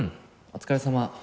お疲れさま。